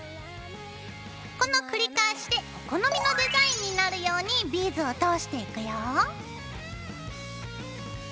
この繰り返しでお好みのデザインになるようにビーズを通していくよ。